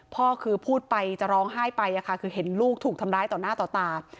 พ่อคือพูดไปจะร้องไห้ไปคือเห็นลูกถูกทำร้ายต่อหน้าต่อตา